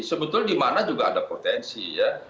sebetulnya di mana juga ada potensi ya